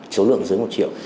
số lượng dưới một triệu